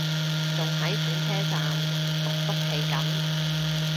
仲喺轉車站棟篤企緊